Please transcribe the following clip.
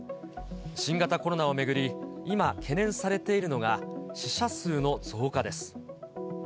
新型コロナを巡り、今、懸念されているのが、死者数の増加です。